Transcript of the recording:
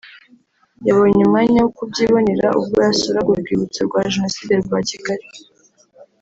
yabonye umwanya wo kubyibonera ubwo yasuraga urwibutso rwa jenoside rwa Kigali